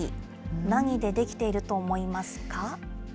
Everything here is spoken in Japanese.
何で出来ていると思いますか？